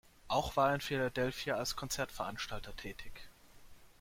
Auch war er in Philadelphia als Konzertveranstalter tätig.